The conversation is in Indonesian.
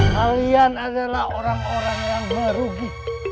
kalian adalah orang orang yang merugi